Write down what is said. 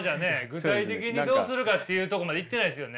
具体的にどうするかっていうとこまでいってないですよね。